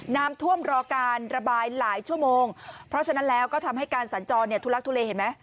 น้ำท่วมรอการระบายหลายชั่วโมงเพราะฉะนั้นแล้วก็ทำให้การสัญจรเนี่ยทุลักทุเลเห็นไหม